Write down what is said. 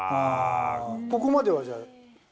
ここまではじゃあ。